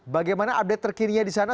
bagaimana update terkininya di sana